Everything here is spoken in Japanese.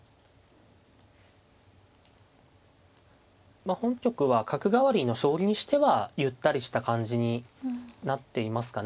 まあ本局は角換わりの将棋にしてはゆったりした感じになっていますかね。